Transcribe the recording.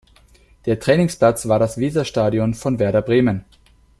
Der Trainingsplatz war das Weserstadion von Werder Bremen.